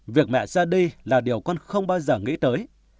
việc mẹ ra đi là điều con không bao giờ nghĩ tới